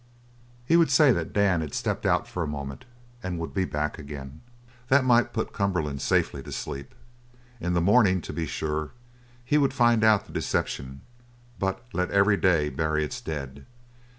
He would say that Dan had stepped out for a moment and would be back again. That might put Cumberland safely to sleep. In the morning, to be sure, he would find out the deception but let every day bury its dead.